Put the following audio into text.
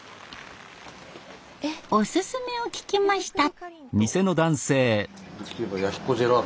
おすすめを聞きました。